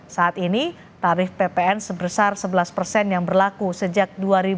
saat ini tarif ppn sebesar sebelas persen yang berlaku sejak dua ribu dua puluh